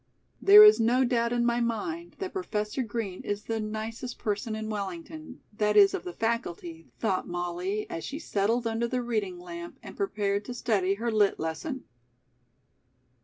"There is no doubt in my mind that Professor Green is the nicest person in Wellington, that is, of the faculty," thought Molly as she settled under the reading lamp, and prepared to study her Lit. lesson.